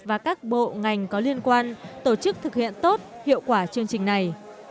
và các bộ ngành có liên quan tổ chức thực hiện tốt hiệu quả chương trình này